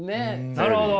なるほど！